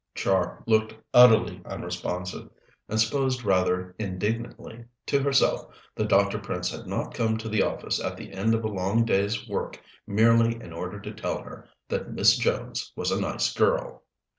Char looked utterly unresponsive, and supposed rather indignantly to herself that Dr. Prince had not come to the office at the end of a long day's work merely in order to tell her that Miss Jones was a nice girl.